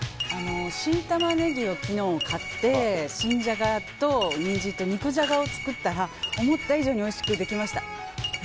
新タマネギを昨日買って新ジャガとニンジンとで肉じゃがを作ったら思った以上においしくできました。